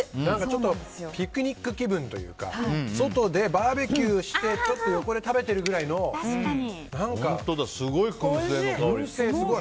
ちょっとピクニック気分というか外でバーベキューしてちょっと横ですごい燻製の香り。